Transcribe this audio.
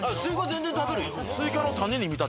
全然食べるよ。